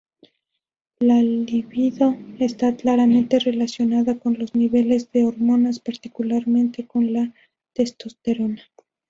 La libido está claramente relacionada con los niveles de hormonas, particularmente con la testosterona.